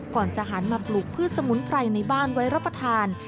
ก่อนจะหันมาปลูกพืชสมุนไพรในบ้านไว้รับประทาน